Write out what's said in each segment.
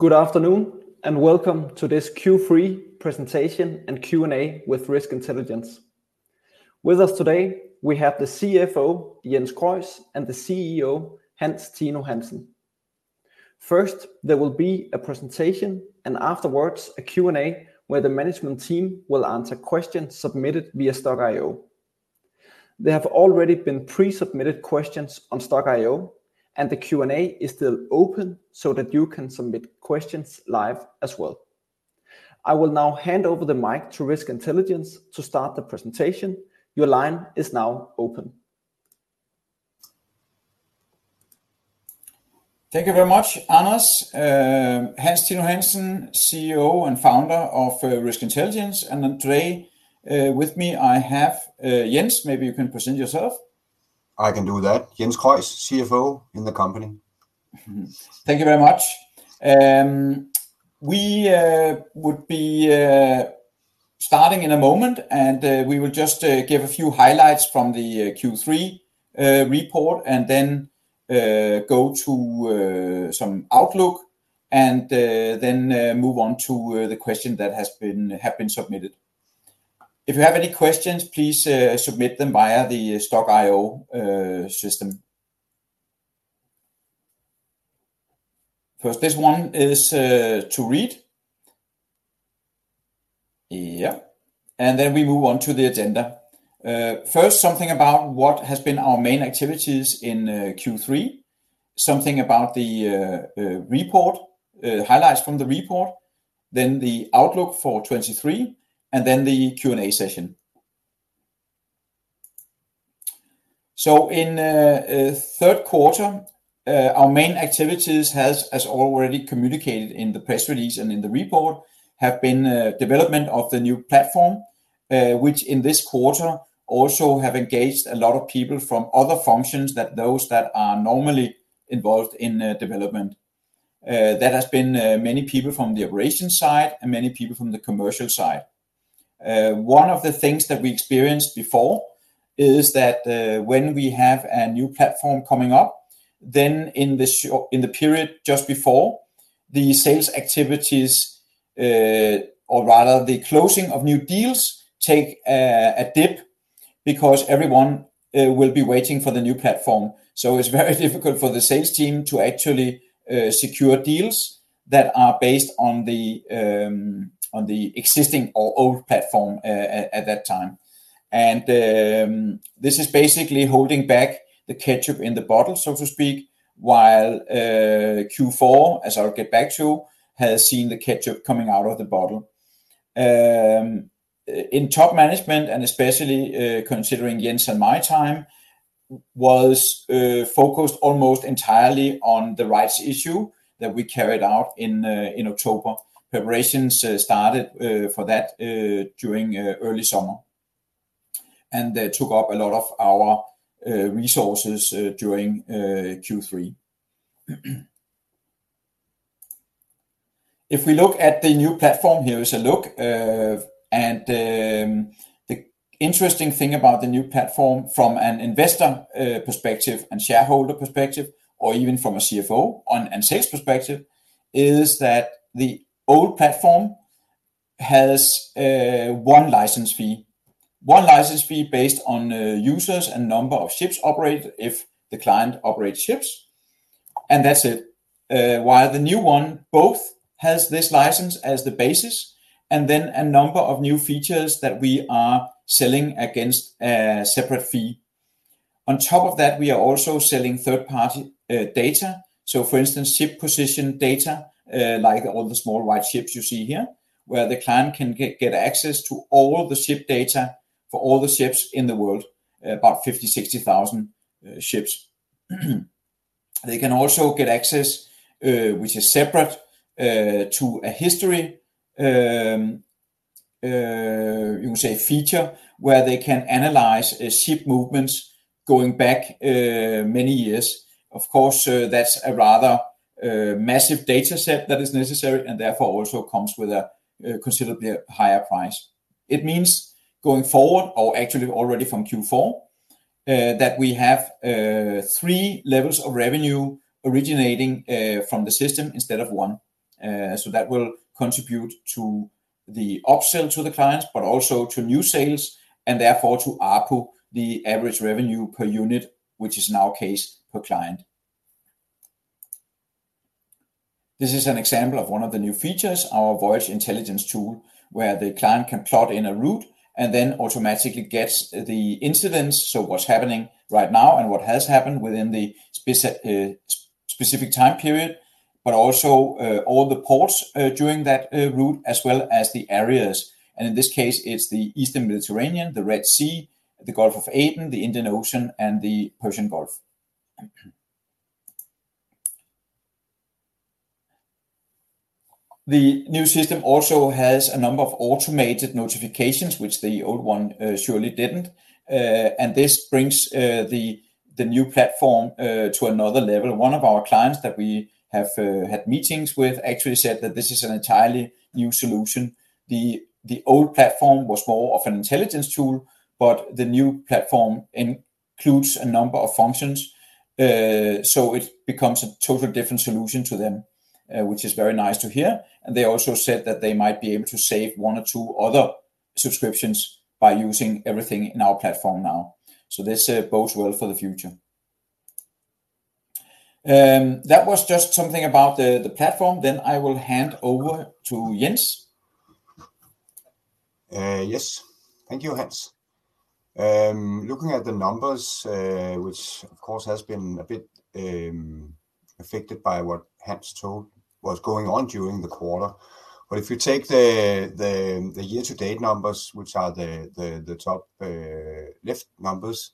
Good afternoon, and welcome to this Q3 presentation and Q&A with Risk Intelligence. With us today, we have the CFO, Jens Krøis, and the CEO, Hans Tino Hansen. First, there will be a presentation, and afterwards, a Q&A where the management team will answer questions submitted via Stokk.io. There have already been pre-submitted questions on Stokk.io, and the Q&A is still open so that you can submit questions live as well. I will now hand over the mic to Risk Intelligence to start the presentation. Your line is now open. Thank you very much, Anders. Hans Tino Hansen, CEO and founder of Risk Intelligence, and then today, with me, I have Jens. Maybe you can present yourself. I can do that. Jens Krøis, CFO in the company. Thank you very much. We would be starting in a moment, and we will just give a few highlights from the Q3 report, and then go to some outlook and then move on to the questions that have been submitted. If you have any questions, please submit them via the Stokk.io system. First, this one is to read. Yeah, and then we move on to the agenda. First, something about what has been our main activities in Q3. Something about the report, highlights from the report, then the outlook for 2023, and then the Q&A session. So in third quarter, our main activities has, as already communicated in the press release and in the report, have been development of the new platform, which in this quarter also have engaged a lot of people from other functions than those that are normally involved in development. That has been many people from the operations side and many people from the commercial side. One of the things that we experienced before is that, when we have a new platform coming up, then in the period just before, the sales activities, or rather, the closing of new deals take a dip because everyone will be waiting for the new platform. So it's very difficult for the sales team to actually secure deals that are based on the existing or old platform at that time. This is basically holding back the ketchup in the bottle, so to speak, while Q4, as I'll get back to, has seen the ketchup coming out of the bottle. In top management, and especially considering Jens and my time, was focused almost entirely on the rights issue that we carried out in October. Preparations started for that during early summer, and that took up a lot of our resources during Q3. If we look at the new platform, here is a look, and the interesting thing about the new platform from an investor perspective and shareholder perspective, or even from a CFO and sales perspective, is that the old platform has one license fee. One license fee based on users and number of ships operated if the client operates ships, and that's it. While the new one both has this license as the basis and then a number of new features that we are selling against a separate fee. On top of that, we are also selling third-party data. So for instance, ship position data, like all the small white ships you see here, where the client can get access to all the ship data for all the ships in the world, about 50-60,000 ships. They can also get access, which is separate, to a history, you could say, feature, where they can analyze ship movements going back, many years. Of course, that's a rather massive data set that is necessary and therefore also comes with a considerably higher price. It means going forward, or actually already from Q4, that we have three levels of revenue originating from the system instead of one. So that will contribute to the upsell to the clients, but also to new sales and therefore to ARPU, the average revenue per unit, which is in our case, per client. This is an example of one of the new features, our Voyage Intelligence tool, where the client can plot in a route and then automatically gets the incidents, so what's happening right now and what has happened within the specific time period, but also all the ports during that route, as well as the areas. And in this case, it's the Eastern Mediterranean, the Red Sea, the Gulf of Aden, the Indian Ocean, and the Persian Gulf. The new system also has a number of automated notifications, which the old one surely didn't. And this brings the new platform to another level. One of our clients that we have had meetings with actually said that this is an entirely new solution. The old platform was more of an intelligence tool, but the new platform in-... includes a number of functions, so it becomes a total different solution to them, which is very nice to hear. They also said that they might be able to save one or two other subscriptions by using everything in our platform now. So this bodes well for the future. That was just something about the platform, then I will hand over to Jens. Yes. Thank you, Hans. Looking at the numbers, which of course has been a bit affected by what Hans told was going on during the quarter, but if you take the year-to-date numbers, which are the top left numbers,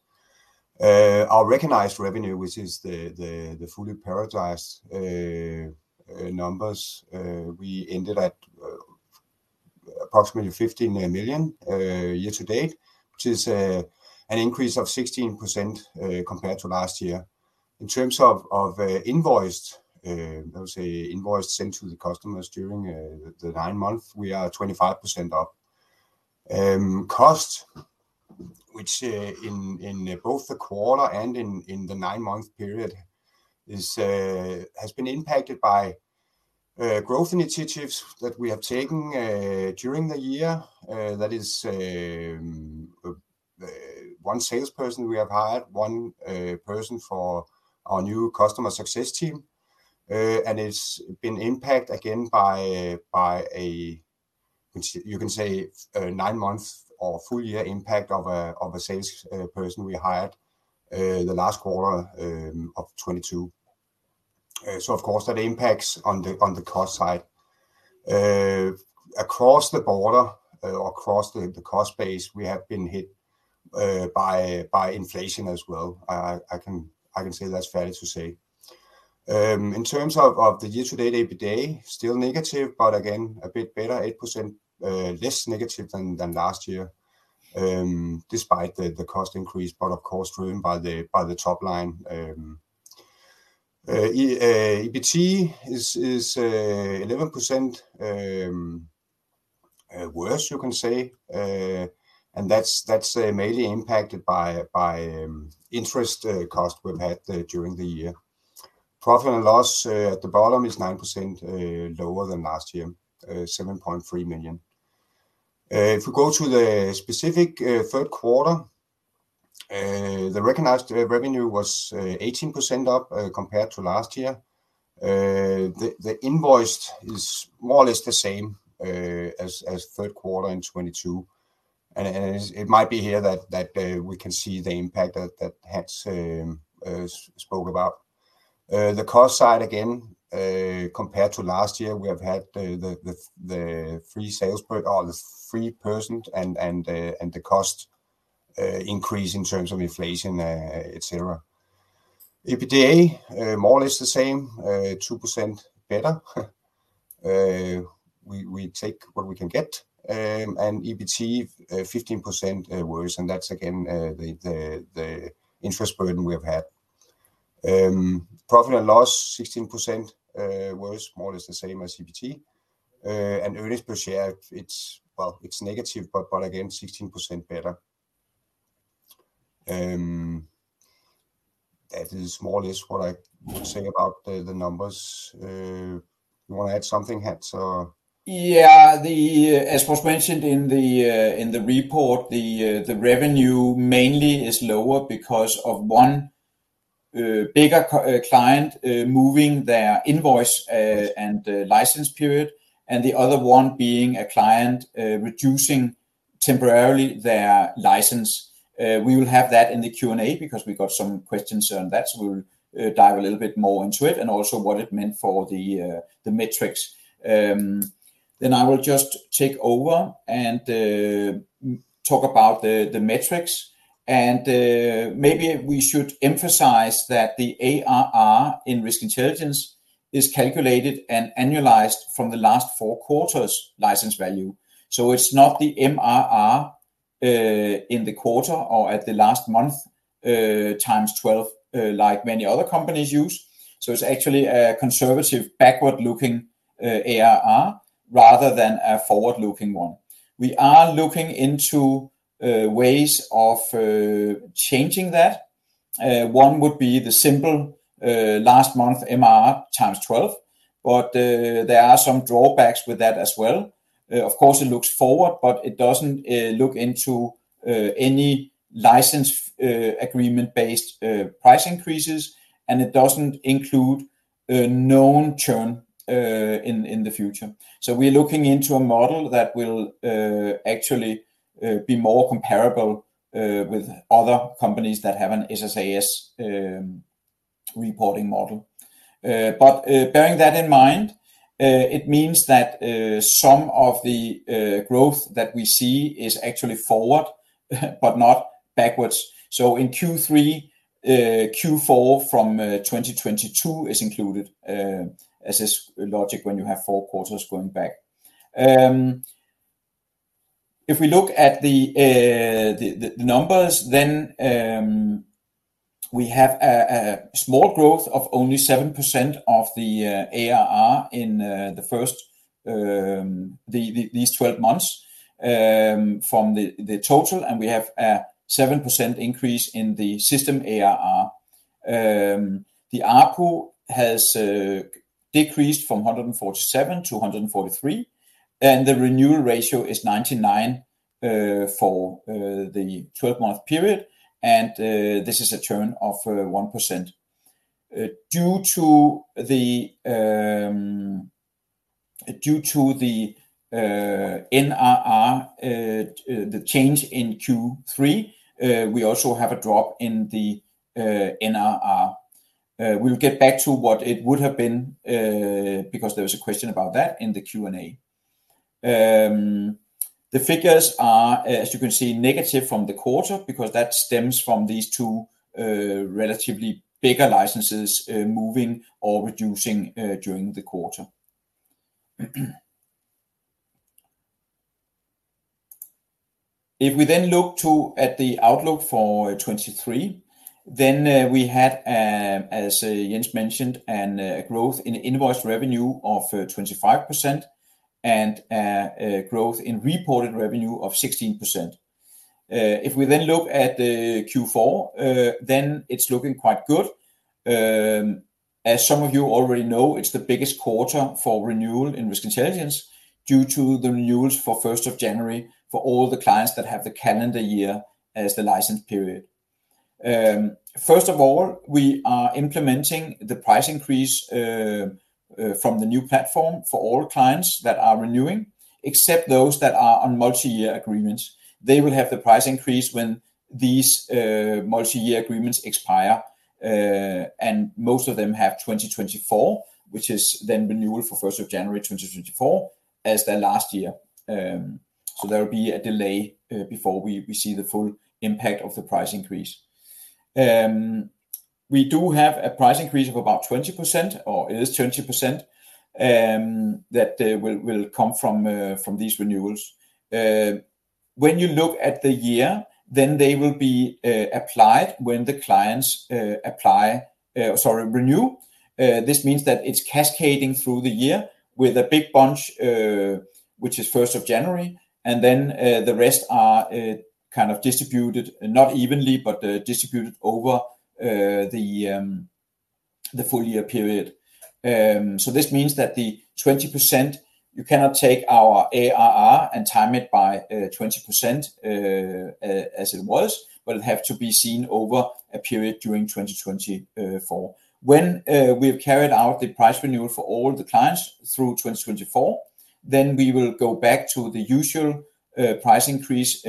our recognized revenue, which is the fully realized numbers, we ended at approximately 15 million year to date, which is an increase of 16% compared to last year. In terms of invoiced, I would say invoiced sent to the customers during the nine months, we are 25% up. Cost, which in both the quarter and in the nine-month period has been impacted by growth initiatives that we have taken during the year. That is one salesperson we have hired, one person for our new customer success team. It's been impacted again by a—you can say—nine months or full year impact of a sales person we hired the last quarter of 2022. So of course, that impacts on the cost side. Across the board or across the cost base, we have been hit by inflation as well. I can say that's fair to say. In terms of the year-to-date EBITDA, still negative, but again a bit better, 8% less negative than last year, despite the cost increase, but of course, driven by the top line. EBIT is eleven percent worse, you can say. And that's mainly impacted by interest cost we've had during the year. Profit and loss at the bottom is 9% lower than last year, 7.3 million. If we go to the specific third quarter, the recognized revenue was 18% up compared to last year. The invoiced is more or less the same as third quarter in 2022. And it might be here that we can see the impact that Hans spoke about. The cost side again, compared to last year, we have had the free sales per or the free person and the cost increase in terms of inflation, et cetera. EBITDA, more or less the same, 2% better. We take what we can get. And EBIT, 15% worse, and that's again the interest burden we have had. Profit and loss, 16% worse, more or less the same as EBIT. And earnings per share, it's... well, it's negative, but again 16% better. That is more or less what I would say about the numbers. You want to add something, Hans, or? Yeah, as was mentioned in the report, the revenue mainly is lower because of one bigger client moving their invoice and license period, and the other one being a client reducing temporarily their license. We will have that in the Q&A because we got some questions on that, so we'll dive a little bit more into it and also what it meant for the metrics. Then I will just take over and talk about the metrics, and maybe we should emphasize that the ARR in Risk Intelligence is calculated and annualized from the last 4 quarters' license value. So it's not the MRR in the quarter or at the last month times 12 like many other companies use. So it's actually a conservative backward-looking ARR rather than a forward-looking one. We are looking into ways of changing that. One would be the simple last month MRR times twelve, but there are some drawbacks with that as well. Of course, it looks forward, but it doesn't look into any license agreement-based price increases, and it doesn't include known churn in the future. So we're looking into a model that will actually be more comparable with other companies that have a SaaS reporting model. But bearing that in mind, it means that some of the growth that we see is actually forward, but not backwards. So in Q3, Q4 from 2022 is included as this logic when you have four quarters going back. If we look at the numbers, then we have a small growth of only 7% of the ARR in these twelve months from the total, and we have a 7% increase in the system ARR. The ARPU has decreased from 147 to 143, and the renewal ratio is 99 for the twelve-month period, and this is a churn of 1%. Due to the NRR, the change in Q3, we also have a drop in the NRR. We'll get back to what it would have been because there was a question about that in the Q&A. The figures are, as you can see, negative from the quarter, because that stems from these two relatively bigger licenses moving or reducing during the quarter. If we then look at the outlook for 2023, then we had, as Jens mentioned, a growth in invoice revenue of 25% and a growth in reported revenue of 16%. If we then look at the Q4, then it's looking quite good. As some of you already know, it's the biggest quarter for renewal in Risk Intelligence due to the renewals for first of January for all the clients that have the calendar year as the license period. First of all, we are implementing the price increase from the new platform for all clients that are renewing, except those that are on multi-year agreements. They will have the price increase when these multi-year agreements expire. And most of them have 2024, which is then renewal for first of January 2024 as their last year. So there will be a delay before we see the full impact of the price increase. We do have a price increase of about 20%, or it is 20%, that will come from these renewals. When you look at the year, then they will be applied when the clients, sorry, renew. This means that it's cascading through the year with a big bunch, which is first of January, and then the rest are kind of distributed, not evenly, but distributed over the full year period. So this means that the 20%, you cannot take our ARR and time it by 20%, as it was, but it have to be seen over a period during 2024. When we have carried out the price renewal for all the clients through 2024, then we will go back to the usual price increase,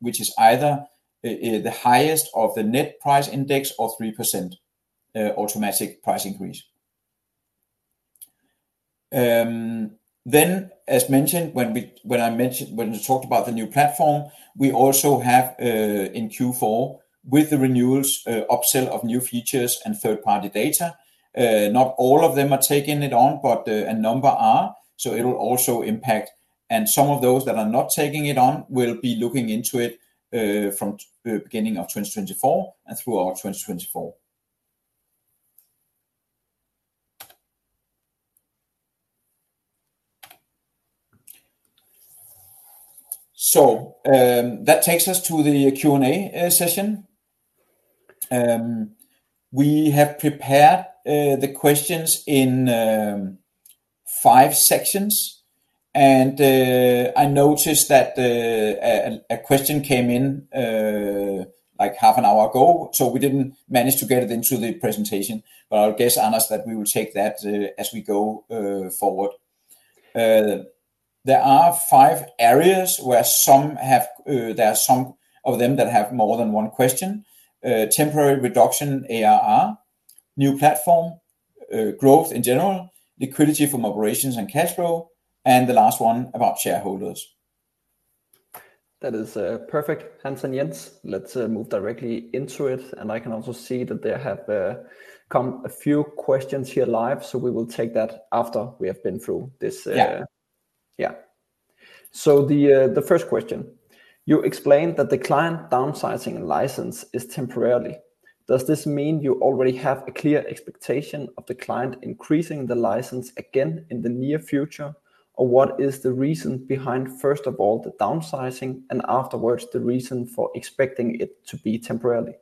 which is either the highest of the net price index or 3% automatic price increase. Then, as mentioned, when we talked about the new platform, we also have, in Q4, with the renewals, upsell of new features and third-party data. Not all of them are taking it on, but a number are, so it will also impact, and some of those that are not taking it on will be looking into it, from the beginning of 2024 and throughout 2024. So, that takes us to the Q&A session. We have prepared the questions in five sections, and I noticed that a question came in like half an hour ago, so we didn't manage to get it into the presentation. But I'll guess, Anders, that we will take that as we go forward. There are five areas where some have, there are some of them that have more than one question. Temporary reduction in ARR, new platform, growth in general, liquidity from operations and cash flow, and the last one about shareholders. That is perfect, Hans and Jens. Let's move directly into it. I can also see that there have come a few questions here live, so we will take that after we have been through this. Yeah. Yeah. So the first question: You explained that the client downsizing license is temporarily. Does this mean you already have a clear expectation of the client increasing the license again in the near future? Or what is the reason behind, first of all, the downsizing and afterwards the reason for expecting it to be temporarily?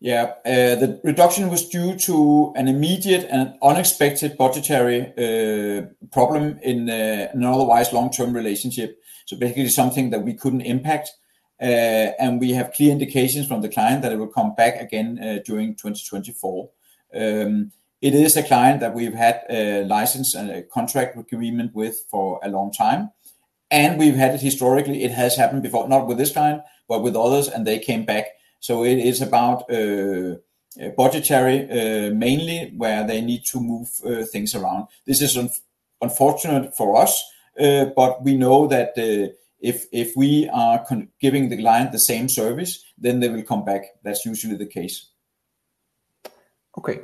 Yeah. The reduction was due to an immediate and unexpected budgetary problem in an otherwise long-term relationship. So basically, something that we couldn't impact. And we have clear indications from the client that it will come back again during 2024. It is a client that we've had a license and a contract agreement with for a long time, and we've had it historically. It has happened before, not with this client, but with others, and they came back. So it is about budgetary mainly where they need to move things around. This is unfortunate for us, but we know that if we are continuing to give the client the same service, then they will come back. That's usually the case.... Okay,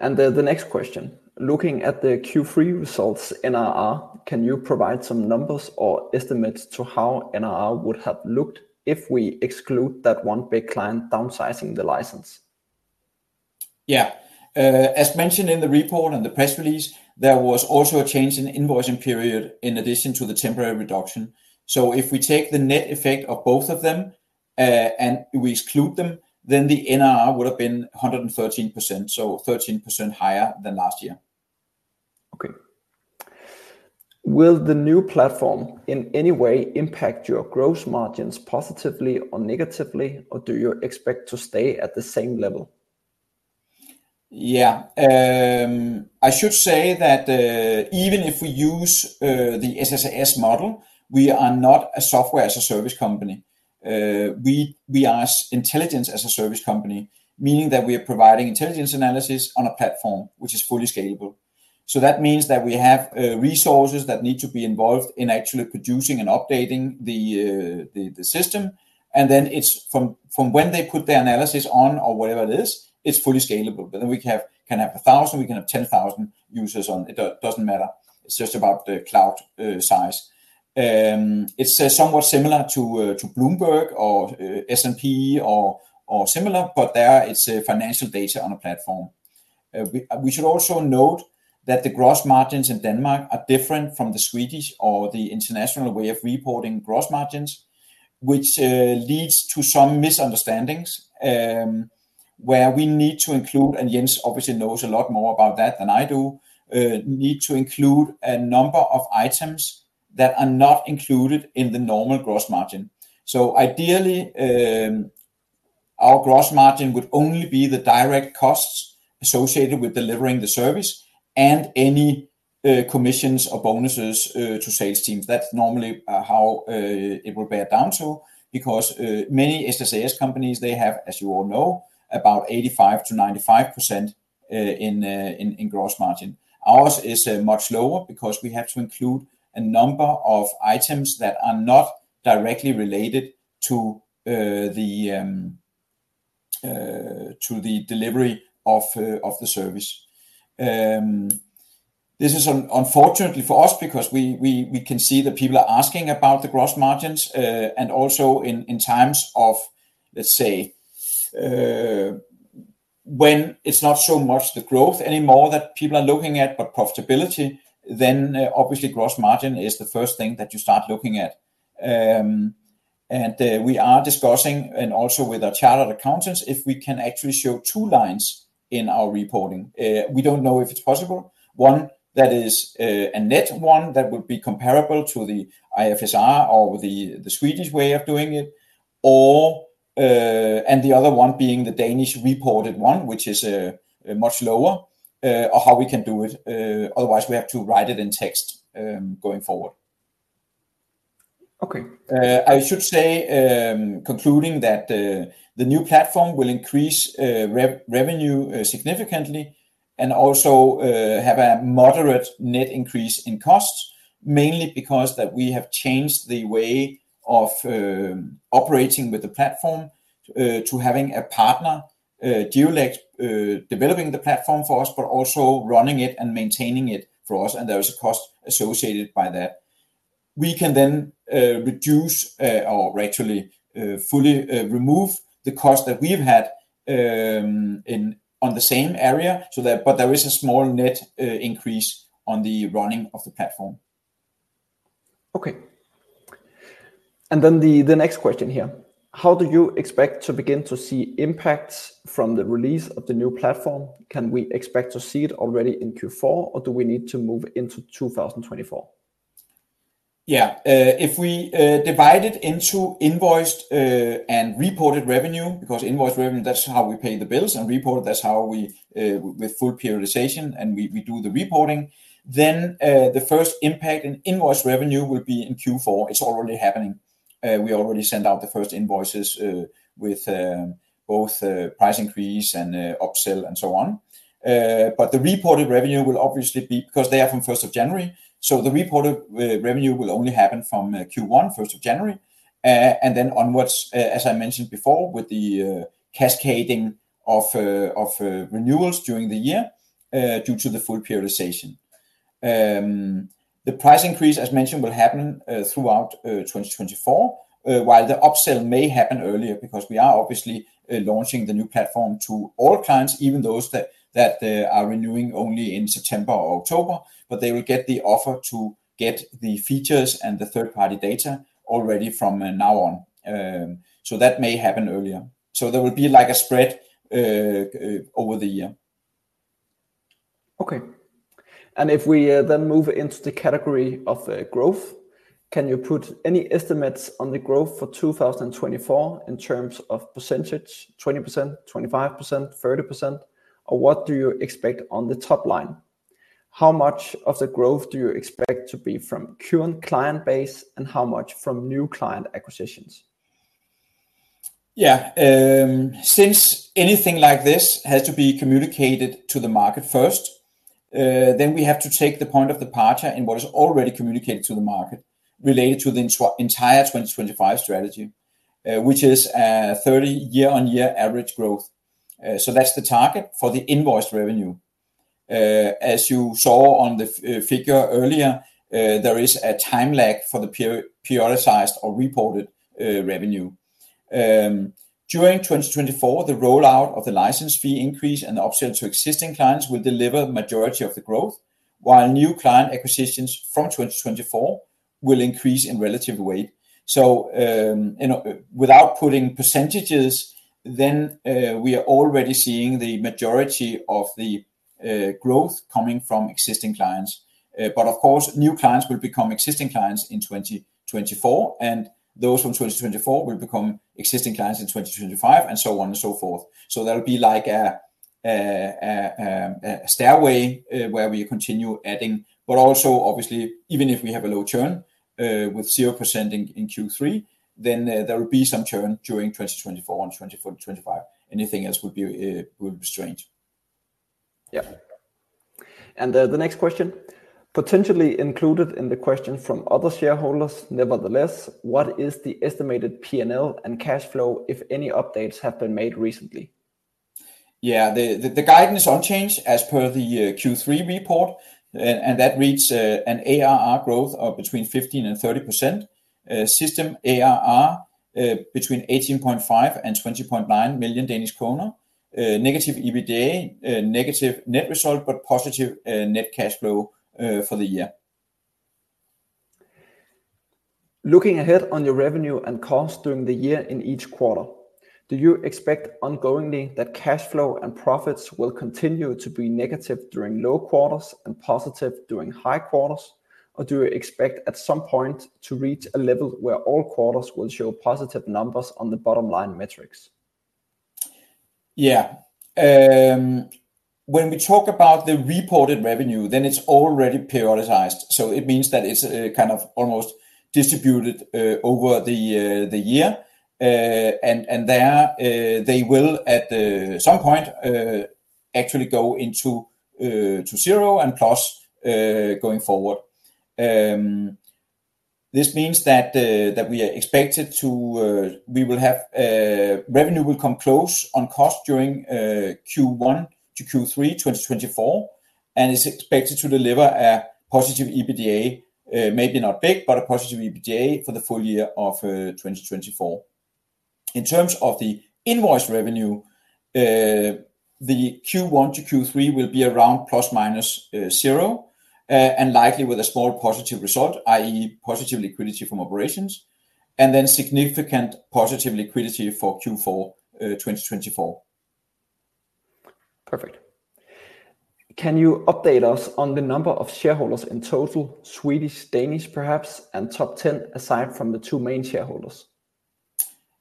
and then the next question: looking at the Q3 results NRR, can you provide some numbers or estimates to how NRR would have looked if we exclude that one big client downsizing the license? Yeah. As mentioned in the report and the press release, there was also a change in invoicing period in addition to the temporary reduction. If we take the net effect of both of them, and we exclude them, then the NRR would have been 113%, so 13% higher than last year. Okay. Will the new platform in any way impact your gross margins positively or negatively, or do you expect to stay at the same level? Yeah. I should say that, even if we use the SaaS model, we are not a software as a service company. We are intelligence as a service company, meaning that we are providing intelligence analysis on a platform which is fully scalable. So that means that we have resources that need to be involved in actually producing and updating the system, and then it's from when they put the analysis on or whatever it is, it's fully scalable. But then we can have 1,000, we can have 10,000 users on it, doesn't matter. It's just about the cloud size. It's somewhat similar to Bloomberg or S&P or similar, but there it's financial data on a platform. We should also note that the gross margins in Denmark are different from the Swedish or the international way of reporting gross margins, which leads to some misunderstandings, where we need to include, and Jens obviously knows a lot more about that than I do, need to include a number of items that are not included in the normal gross margin. So ideally, our gross margin would only be the direct costs associated with delivering the service and any commissions or bonuses to sales teams. That's normally how it will bear down to, because many SaaS companies, they have, as you all know, about 85%-95% in gross margin. Ours is much lower because we have to include a number of items that are not directly related to the delivery of the service. This is unfortunately for us because we can see that people are asking about the gross margins, and also in times of, let's say, when it's not so much the growth anymore that people are looking at, but profitability, then obviously gross margin is the first thing that you start looking at. We are discussing, and also with our chartered accountants, if we can actually show two lines in our reporting. We don't know if it's possible. One that is a net one that would be comparable to the IFRS or the Swedish way of doing it, or and the other one being the Danish reported one, which is much lower, or how we can do it. Otherwise, we have to write it in text going forward. Okay. I should say, concluding that the new platform will increase revenue significantly and also have a moderate net increase in costs, mainly because that we have changed the way of operating with the platform to having a partner, Geollect, developing the platform for us, but also running it and maintaining it for us, and there is a cost associated by that. We can then reduce or actually fully remove the cost that we have had in on the same area so that... but there is a small net increase on the running of the platform. Okay. And then the next question here: How do you expect to begin to see impacts from the release of the new platform? Can we expect to see it already in Q4, or do we need to move into 2024? Yeah. If we divide it into invoiced and reported revenue, because invoiced revenue, that's how we pay the bills, and reported, that's how we with full periodization, and we do the reporting, then, the first impact in invoiced revenue will be in Q4. It's already happening. We already sent out the first invoices with both price increase and upsell and so on. But the reported revenue will obviously be, because they are from first of January, so the reported revenue will only happen from Q1, first of January, and then onwards, as I mentioned before, with the cascading of renewals during the year, due to the full periodization. The price increase, as mentioned, will happen throughout 2024 while the upsell may happen earlier because we are obviously launching the new platform to all clients, even those that are renewing only in September or October, but they will get the offer to get the features and the third-party data already from now on. So that may happen earlier. So there will be like a spread over the year. Okay. And if we then move into the category of growth, can you put any estimates on the growth for 2024 in terms of percentage, 20%, 25%, 30%? Or what do you expect on the top line? How much of the growth do you expect to be from current client base, and how much from new client acquisitions? Yeah. Since anything like this has to be communicated to the market first, then we have to take the point of departure in what is already communicated to the market related to the entire 2025 strategy. Which is 30 year-on-year average growth. So that's the target for the invoice revenue. As you saw on the figure earlier, there is a time lag for the period, periodized or reported, revenue. During 2024, the rollout of the license fee increase and the upsell to existing clients will deliver majority of the growth, while new client acquisitions from 2024 will increase in relative weight. You know, without putting percentages, then we are already seeing the majority of the growth coming from existing clients. But of course, new clients will become existing clients in 2024, and those from 2024 will become existing clients in 2025, and so on and so forth. So that'll be like a, a stairway, where we continue adding, but also obviously, even if we have a low churn, with 0% in Q3, then there will be some churn during 2024 and 2024 to 2025. Anything else would be, would be strange. Yeah. The next question: potentially included in the question from other shareholders. Nevertheless, what is the estimated P&L and cash flow, if any updates have been made recently? Yeah, the guidance unchanged as per the Q3 report, and that reads an ARR growth of between 15% and 30%. System ARR between 18.5 million and 20.9 million Danish kroner. Negative EBITDA, negative net result, but positive net cash flow for the year. Looking ahead on your revenue and costs during the year in each quarter, do you expect ongoingly that cash flow and profits will continue to be negative during low quarters and positive during high quarters? Or do you expect at some point to reach a level where all quarters will show positive numbers on the bottom line metrics? Yeah. When we talk about the reported revenue, then it's already periodized, so it means that it's kind of almost distributed over the year. And there, they will at some point actually go into to zero and plus going forward. This means that we are expected to, we will have revenue will come close on cost during Q1 to Q3 2024, and is expected to deliver a positive EBITDA, maybe not big, but a positive EBITDA for the full year of 2024. In terms of the invoice revenue, the Q1 to Q3 will be around ± zero, and likely with a small positive result, i.e. positive liquidity from operations, and then significant positive liquidity for Q4 2024. Perfect. Can you update us on the number of shareholders in total, Swedish, Danish, perhaps, and top 10, aside from the 2 main shareholders?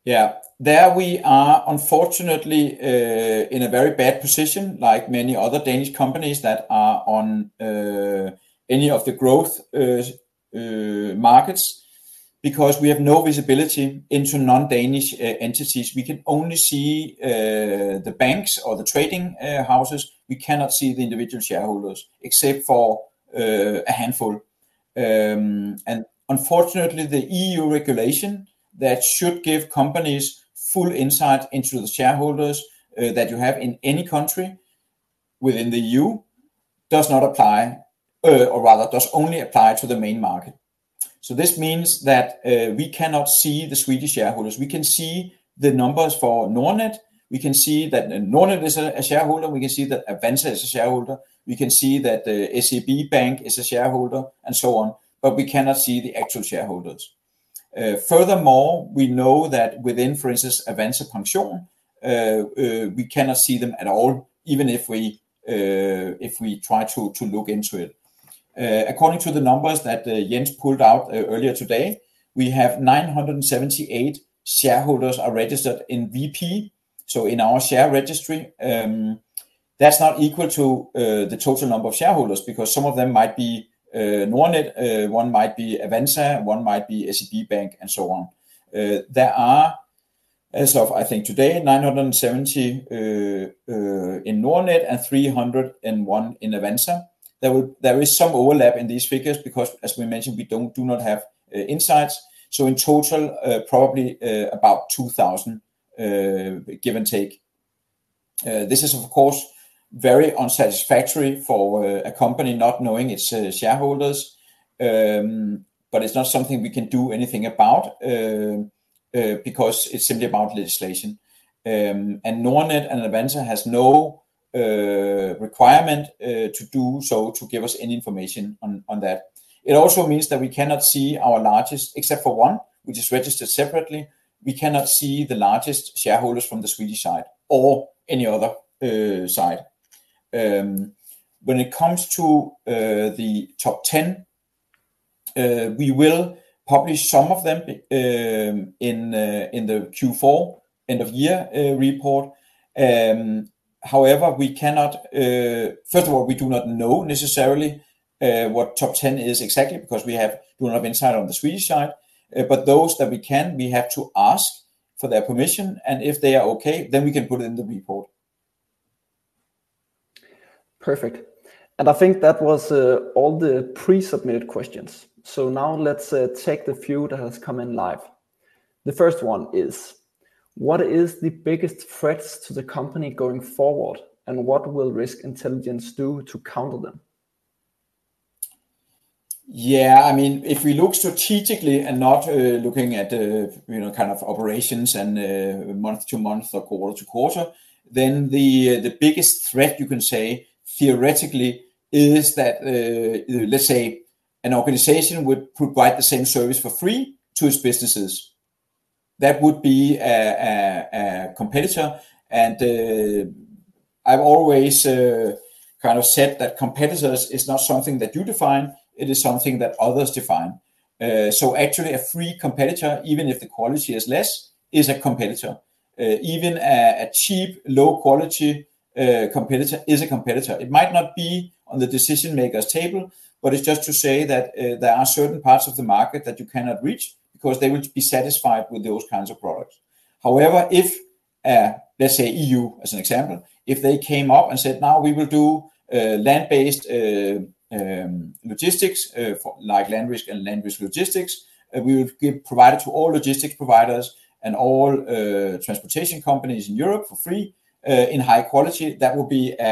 Yeah. There we are unfortunately in a very bad position, like many other Danish companies that are on any of the growth markets, because we have no visibility into non-Danish entities. We can only see the banks or the trading houses. We cannot see the individual shareholders, except for a handful. And unfortunately, the EU regulation that should give companies full insight into the shareholders that you have in any country within the EU does not apply, or rather does only apply to the main market. So this means that we cannot see the Swedish shareholders. We can see the numbers for Nordnet, we can see that Nordnet is a shareholder, we can see that Avanza is a shareholder, we can see that the SEB Bank is a shareholder, and so on, but we cannot see the actual shareholders. Furthermore, we know that within, for instance, Avanza Pension, we cannot see them at all, even if we try to look into it. According to the numbers that Jens pulled out earlier today, we have 978 shareholders are registered in VP, so in our share registry. That's not equal to the total number of shareholders, because some of them might be Nordnet, one might be Avanza, one might be SEB Bank, and so on. There are, as of, I think today, 970 in Nordnet and 301 in Avanza. There is some overlap in these figures because, as we mentioned, we don't, do not have insights. So in total, probably, about 2,000, give and take. This is of course very unsatisfactory for a company not knowing its shareholders. But it's not something we can do anything about because it's simply about legislation. Nordnet and Avanza has no requirement to do so, to give us any information on that. It also means that we cannot see our largest, except for one, which is registered separately. We cannot see the largest shareholders from the Swedish side or any other side. When it comes to the top ten, we will publish some of them in the Q4 end-of-year report. However, we cannot. First of all, we do not know necessarily what top ten is exactly because we do not have insight on the Swedish side. But those that we can, we have to ask for their permission, and if they are okay, then we can put it in the report.... Perfect. And I think that was all the pre-submitted questions. So now let's take the few that has come in live. The first one is: What is the biggest threats to the company going forward, and what will Risk Intelligence do to counter them? Yeah, I mean, if we look strategically and not looking at, you know, kind of operations and month to month or quarter to quarter, then the biggest threat you can say theoretically is that, let's say an organization would provide the same service for free to its businesses. That would be a competitor. And I've always kind of said that competitors is not something that you define, it is something that others define. So actually, a free competitor, even if the quality is less, is a competitor. Even a cheap, low-quality competitor is a competitor. It might not be on the decision-makers table, but it's just to say that there are certain parts of the market that you cannot reach because they will be satisfied with those kinds of products. However, if, let's say EU as an example, if they came out and said, "Now we will do, land-based, logistics, for like land risk and land risk logistics, we will give provided to all logistics providers and all, transportation companies in Europe for free, in high quality," that would be a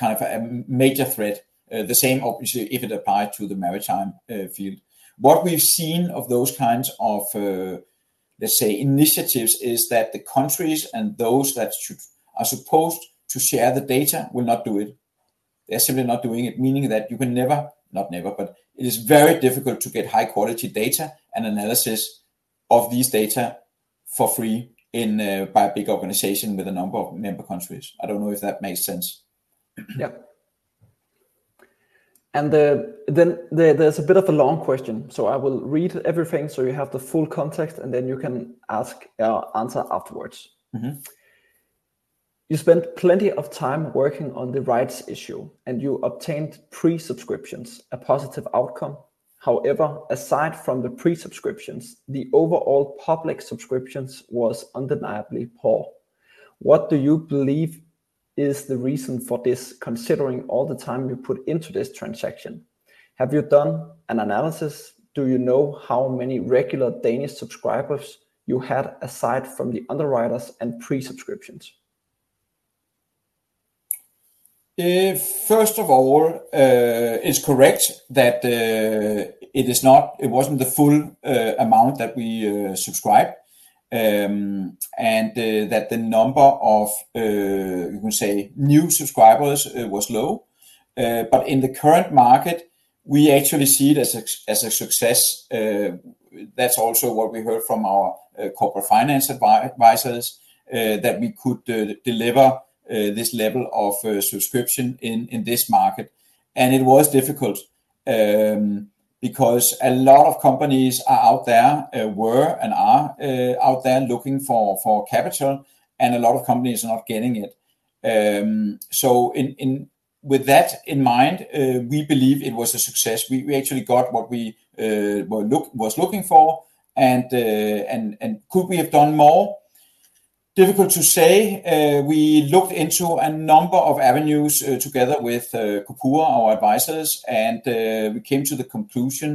kind of a major threat, the same obviously, if it applied to the maritime, field. What we've seen of those kinds of, let's say, initiatives, is that the countries and those that should are supposed to share the data will not do it. They're simply not doing it, meaning that you can never, not never, but it is very difficult to get high-quality data and analysis of these data for free in, by a big organization with a number of member countries. I don't know if that makes sense. Yeah. And then there's a bit of a long question, so I will read everything so you have the full context, and then you can ask, answer afterwards. Mm-hmm. You spent plenty of time working on the rights issue, and you obtained pre-subscriptions, a positive outcome. However, aside from the pre-subscriptions, the overall public subscriptions was undeniably poor. What do you believe is the reason for this, considering all the time you put into this transaction? Have you done an analysis? Do you know how many regular Danish subscribers you had aside from the underwriters and pre-subscriptions? First of all, it's correct that it is not, it wasn't the full amount that we subscribed. And that the number of, you can say new subscribers, was low. But in the current market, we actually see it as a success. That's also what we heard from our corporate finance advisors, that we could deliver this level of subscription in this market. And it was difficult, because a lot of companies are out there, were and are out there looking for capital, and a lot of companies are not getting it. So with that in mind, we believe it was a success. We actually got what we were looking for. And could we have done more? Difficult to say. We looked into a number of avenues together with Corpura, our advisors, and we came to the conclusion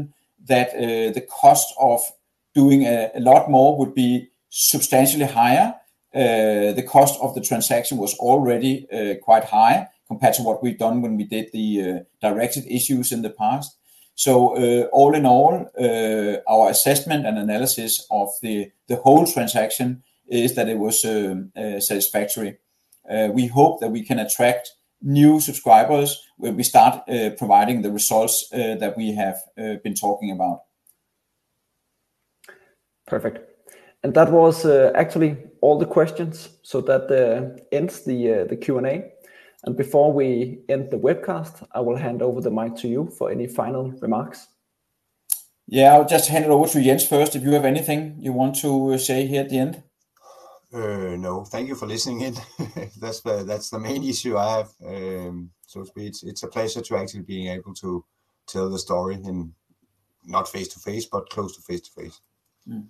that the cost of doing a lot more would be substantially higher. The cost of the transaction was already quite high compared to what we've done when we did the directed issues in the past. So, all in all, our assessment and analysis of the whole transaction is that it was satisfactory. We hope that we can attract new subscribers when we start providing the results that we have been talking about. Perfect. And that was, actually, all the questions, so that ends the Q&A. And before we end the webcast, I will hand over the mic to you for any final remarks. Yeah, I'll just hand it over to Jens first. If you have anything you want to say here at the end. No. Thank you for listening in. That's the, that's the main issue I have. So it's, it's a pleasure to actually being able to tell the story and not face to face, but close to face to face. Mm.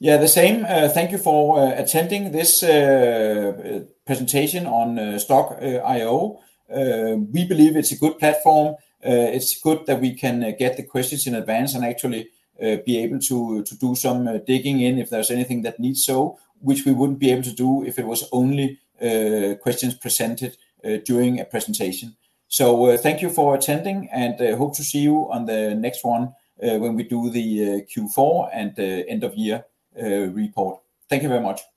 Yeah, the same. Thank you for attending this presentation on Stokk.io. We believe it's a good platform. It's good that we can get the questions in advance and actually be able to do some digging in if there's anything that needs so, which we wouldn't be able to do if it was only questions presented during a presentation. So thank you for attending, and hope to see you on the next one when we do the Q4 and the end-of-year report. Thank you very much. Thank you.